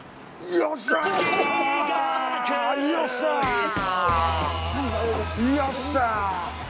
よっしゃ！